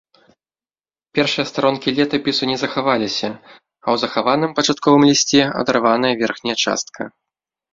Першыя старонкі летапісу не захаваліся, а ў захаваным пачатковым лісце адарваная верхняя частка.